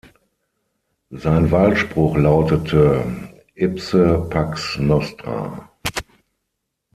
Sein Wahlspruch lautete "Ipse pax nostra".